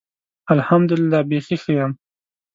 الحمدالله. بیخي ښۀ یم.